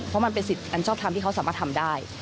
เพราะมันเป็นสิทธิ์อันชอบทำที่เขาสามารถทำได้